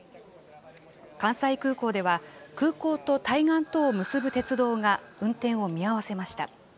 関西空港では、空港と対岸とを結ぶ鉄道が運転を見合わせました。